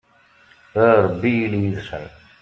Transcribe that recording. a rebbi ili yid-sen